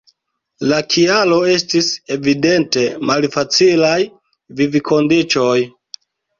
La kialo estis evidente malfacilaj vivkondiĉoj.